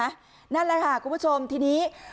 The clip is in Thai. นั่นแหละค่ะคุณผู้ชมทีนี้